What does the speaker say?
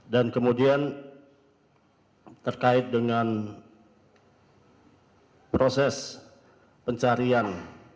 dan kemudian terkait dengan proses pencarian